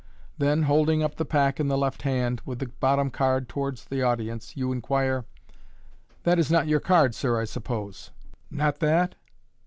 Then, holding up the pack in the left hand, with the bottom card towards the audience, you inquire, "That is not your card, sir, I suppose ? not that?"